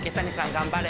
頑張れ。